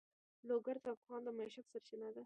لوگر د افغانانو د معیشت سرچینه ده.